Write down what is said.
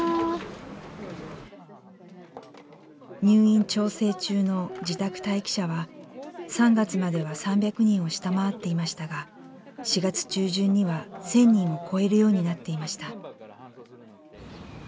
入院調整中の自宅待機者は３月までは３００人を下回っていましたが４月中旬には１，０００人を超えるようになっていました。